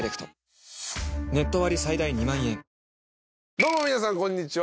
どうも皆さんこんにちは。